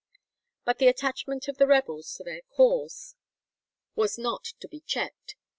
But the attachment of the rebels to their cause was not to be checked.